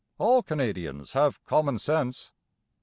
All Canadians have common sense."